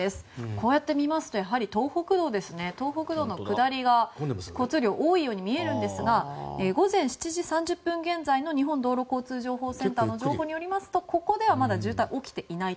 こうやって見ますとやはり、東北道の下りが交通量が多いように見えるんですが午前７時３０分現在の日本道路交通情報センターの情報によりますとここではまだ渋滞、起きていないと。